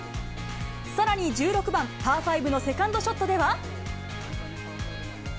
さらに１６番パー５のセカンドショットでは。